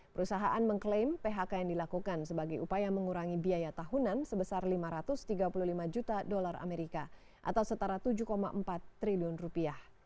perusahaan mengklaim phk yang dilakukan sebagai upaya mengurangi biaya tahunan sebesar lima ratus tiga puluh lima juta dolar amerika atau setara tujuh empat triliun rupiah